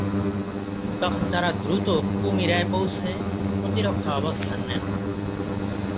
তখন তারা দ্রুত কুমিরায় পৌঁছে প্রতিরক্ষা অবস্থান নেন।